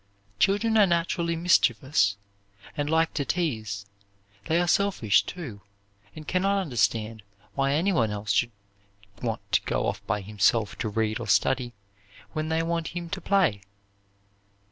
Children are naturally mischievous, and like to tease. They are selfish, too, and can not understand why anyone else should want to go off by himself to read or study when they want him to play.